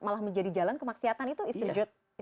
setelah menjadi jalan kemaksiatan itu istidroj